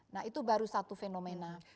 nah itu baru satu fenomena